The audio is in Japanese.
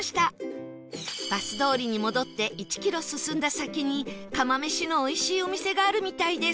バス通りに戻って１キロ進んだ先に釜飯のおいしいお店があるみたいです